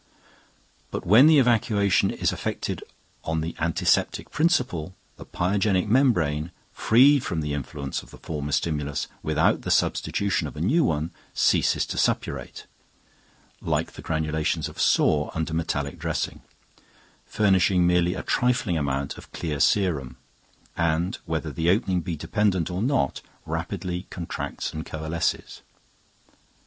But when the evacuation is effected on the antiseptic principle, the pyogenic membrane, freed from the influence of the former stimulus without the substitution of a new one, ceases to suppurate (like the granulations of a sore under metallic dressing), furnishing merely a trifling amount of clear serum, and, whether the opening be dependent or not, rapidly contracts and coalesces.